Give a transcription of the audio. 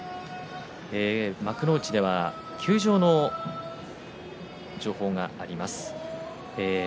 幕内では休場の情報があります。